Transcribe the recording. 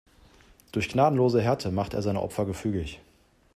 Durch gnadenlose Härte macht er seine Opfer gefügig.